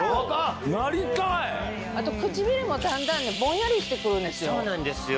あと唇もだんだんねボンヤリしてくるんですよ。そうなんですよ。